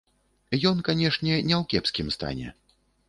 Ён, канешне, не ў кепскім стане.